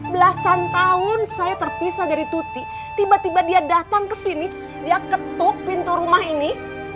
belasan tahun saya terpisah dari tuti tiba tiba dia datang ke sini dia ketuk pintu rumah ini